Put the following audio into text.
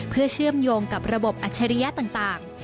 เพื่อเชื่อมโยงกับระบบอัจฉริยะต่าง